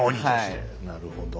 なるほど。